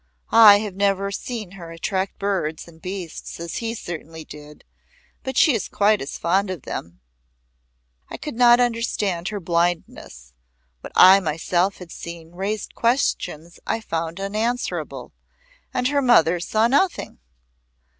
I have never seen her attract birds and beasts as he certainly did, but she is quite as fond of them." I could not understand her blindness what I myself had seen raised questions I found unanswerable, and her mother saw nothing!